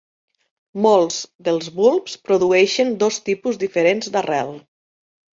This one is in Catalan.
Molts dels bulbs produeixen dos tipus diferents d'arrel.